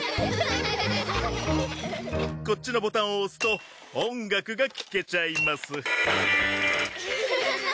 こっちのボタンを押すと音楽が聴けちゃいます。